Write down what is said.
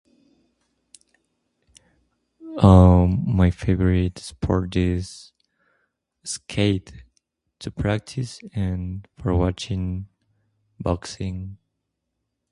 my favorite sport is skate to practice and for watching boxing.